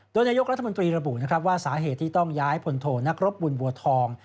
โดยนายกรัฐมนตรีระบุนะครับว่าสาเหตุที่ต้องย้ายพลโทนักรบบุญบัวทอง